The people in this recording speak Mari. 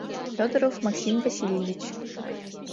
Фёдоров Максим Васильевич.